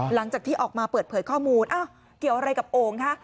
หลังจากที่ออกมาเปิดเผยข้อมูลอ้าวเกี่ยวอะไรกับโอ่งคะ